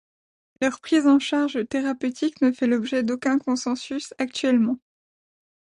Leur prise en charge thérapeutique ne fait l’objet d’aucun consensus actuellement.